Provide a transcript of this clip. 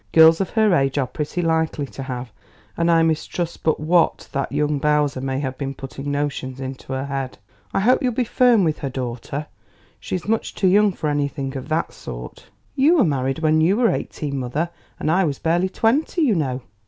"Girls of her age are pretty likely to have, and I mistrust but what that young Bowser may have been putting notions into her head. I hope you'll be firm with her, daughter; she's much too young for anything of that sort." "You were married when you were eighteen, mother; and I was barely twenty, you know."